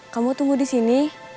kamu tunggu di sini